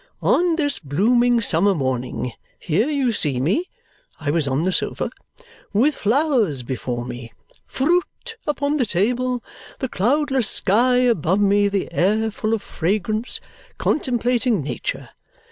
On this blooming summer morning here you see me' (I was on the sofa) 'with flowers before me, fruit upon the table, the cloudless sky above me, the air full of fragrance, contemplating Nature.